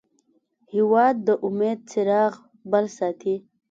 هېواد د امید څراغ بل ساتي.